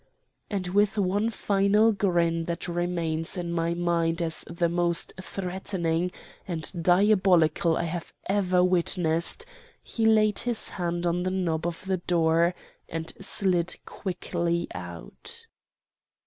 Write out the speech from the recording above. And with one final grin that remains in my mind as the most threatening and diabolical I have ever witnessed, he laid his hand on the knob of the door and slid quickly out.